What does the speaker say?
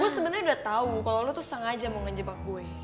gue sebenernya udah tau kalo lo tuh sengaja mau ngejebak gue